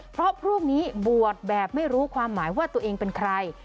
เพราะพรุ่งนี้บวชแบบไม่รู้ความหมายว่าตัวเองเป็นใคร